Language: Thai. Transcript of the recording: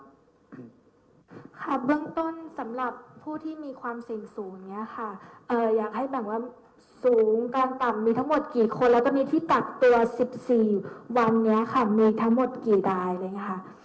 สมถามสำหรับผู้ที่มีความเสี่ยงสูงสมวงตรงนี้ค่ะอยากให้แบบว่สูงต่ำกลางต่ำมีทั้งหมดกี่คนเหลือที่ตัดตัว๑๔วันมีทั้งหมดกี่ได้แล้วค่ะ